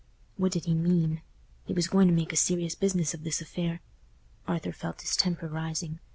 What did he mean? He was going to make a serious business of this affair. Arthur felt his temper rising.